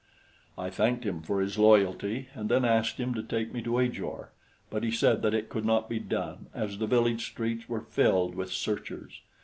I thanked him for his loyalty and then asked him to take me to Ajor; but he said that it could not be done, as the village streets were filled with searchers.